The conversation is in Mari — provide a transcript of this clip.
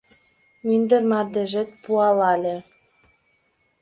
Мӱндыр мардежет пуалале